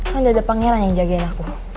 kan dada pangeran yang jagain aku